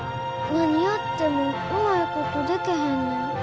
何やってもうまいことでけへんねん。